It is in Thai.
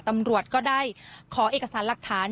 ตำรวจก็ได้ขอเอกสารหลักฐาน